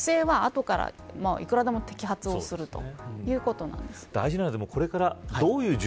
ただ、不正は後からいくらでも摘発をするということなんです。